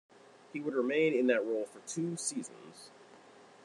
He would remain in that role for two seasons.